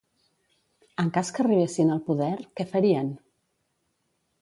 En cas que arribessin al poder, què farien?